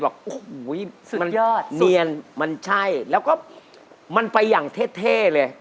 สุดยอดสุดยอดมันใช่แล้วก็มันไปอย่างเท่เลย